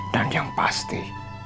dan yang pasti